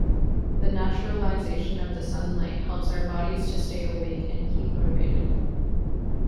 The naturalization of the sunlight helps our bodies to stay awake and keep motivated.